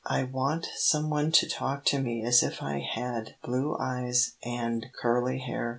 "I want some one to talk to me as if I had blue eyes and curly hair.